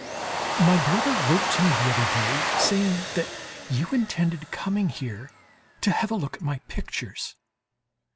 My brother wrote to me the other day saying that you intended coming here to have a look at my pictures.